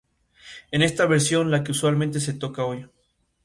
Es esta versión la que usualmente se toca hoy.